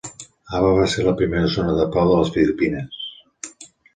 Haba va ser la primera Zona de Pau de les Filipines.